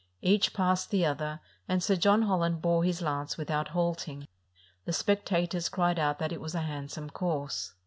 Each passed the other, and Sir John Holland bore his lance without halting. The spec tators cried out that it was a handsome course.